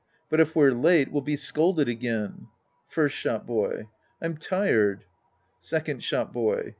But if we're late, we'll be scolded again. First Shop boy. I'm tired. Second Shop boy.